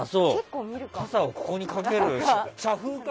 傘をここにかける。